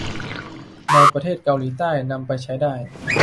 ในประเทศเกาหลีใต้นำไปใช้ได้